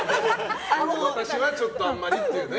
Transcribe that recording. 私はちょっとあんまりっていうね。